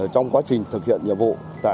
trong quá trình thực hiện nhiệm vụ